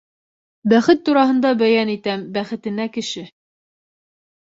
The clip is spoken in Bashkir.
Бәхет тураһында бәйән итәм, бәхетенә кеше